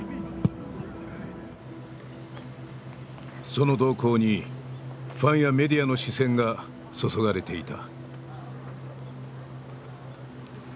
その動向にファンやメディアの視線が注がれていた。